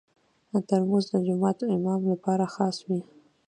ترموز د جومات امام لپاره خاص وي.